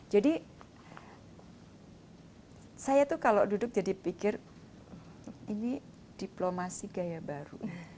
jadi saya itu kalau duduk jadi pikir ini diplomasi gaya baru